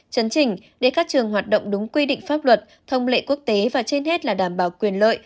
chấn chỉnh để các trường hoạt động đúng quy định pháp luật thông lệ quốc tế và trên hết là đảm bảo quyền lợi